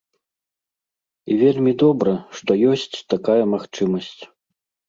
І вельмі добра, што ёсць такая магчымасць.